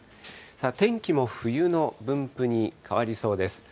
天気も冬の分布に変わりそうです。